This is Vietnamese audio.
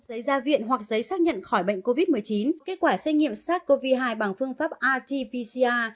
giấy ra viện hoặc giấy xác nhận khỏi bệnh covid một mươi chín kết quả xét nghiệm sars cov hai bằng phương pháp rt pcr